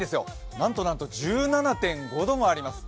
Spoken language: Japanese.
なんとなんと１７．５度もあります。